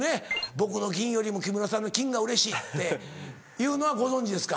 「僕の銀よりも木村さんの金がうれしい」っていうのはご存じですか？